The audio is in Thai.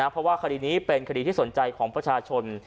เพราะว่าคดีนี้เป็นคดีที่สนใจของประชาชน